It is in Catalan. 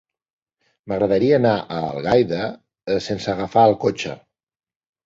M'agradaria anar a Algaida sense agafar el cotxe.